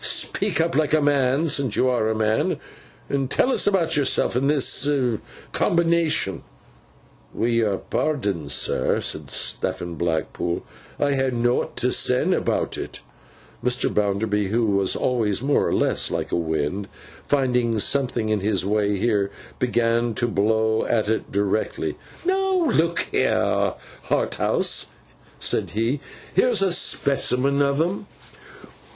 'Speak up like a man, since you are a man, and tell us about yourself and this Combination.' 'Wi' yor pardon, sir,' said Stephen Blackpool, 'I ha' nowt to sen about it.' Mr. Bounderby, who was always more or less like a Wind, finding something in his way here, began to blow at it directly. 'Now, look here, Harthouse,' said he, 'here's a specimen of 'em.